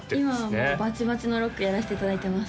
今はもうバチバチのロックやらせていただいてます